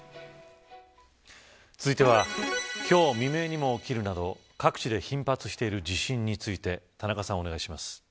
続いては今日未明にも起きるなど各地で頻発している地震について田中さん、お願いします。